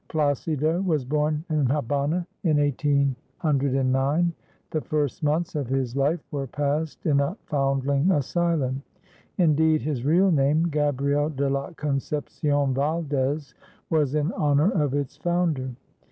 Plácido was born in Habana in 1809. The first months of his life were passed in a foundling asylum; indeed, his real name, Gabriel de la Concepcion Valdés, was in honor of its founder.